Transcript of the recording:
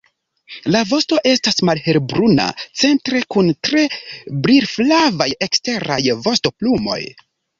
La vosto estas malhelbruna centre kun tre brilflavaj eksteraj vostoplumoj.